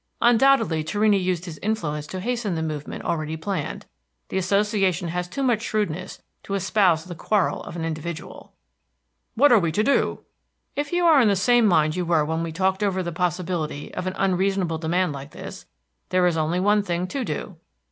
Undoubtedly Torrini used his influence to hasten the movement already planned. The Association has too much shrewdness to espouse the quarrel of an individual." "What are we to do?" "If you are in the same mind you were when we talked over the possibility of an unreasonable demand like this, there is only one thing to do."